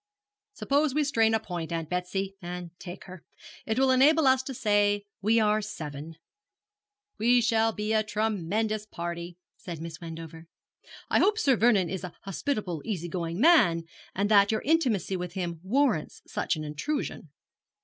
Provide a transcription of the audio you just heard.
'Suppose we strain a point, Aunt Betsy, and take her. It will enable us to say, "we are seven."' 'We shall be a tremendous party,' said Miss Wendover. 'I hope Sir Vernon is a hospitable, easy going man, and that your intimacy with him warrants such an intrusion.'